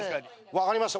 分かりました。